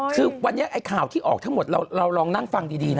คือวันนี้ไอ้ข่าวที่ออกทั้งหมดเราลองนั่งฟังดีนะ